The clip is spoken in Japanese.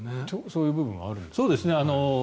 そういう部分はあるんですか？